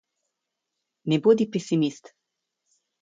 Ne bodi pesimist!